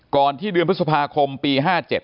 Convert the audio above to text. ที่เดือนพฤษภาคมปี๕๗